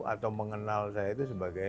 atau mengenal saya itu sebagai